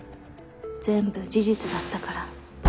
全部事実だったから。